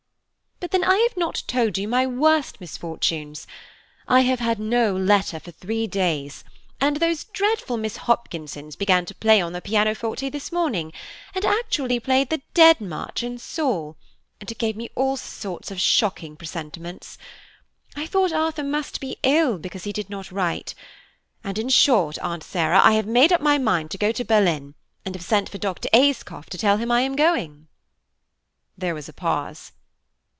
"But then I have not told you my worst misfortunes. I have had no letter for three days, and those dreadful Miss Hopkinsons began to play on their pianoforte this morning, and actually played the Dead March in Saul, and it gave me all sorts of shocking presentiments. I thought Arthur must be ill because he did not write–and in short, Aunt Sarah, I have made up my mind to go to Berlin, and have sent for Dr. Ayscough to tell him I am going." There was a pause.